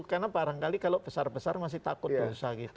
karena barangkali kalau besar besar masih takut dosa gitu